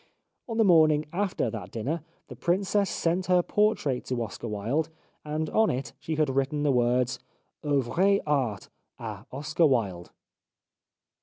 On the morning after that dinner, the Princess sent her portrait to Oscar Wilde, and on it she had written the words :" Au vrai Art, A Oscar Wilde."